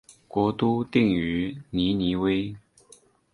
国都定于尼尼微。